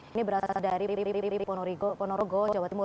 ini berasal dari ponorogo jawa timur